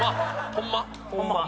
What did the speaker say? ホンマ。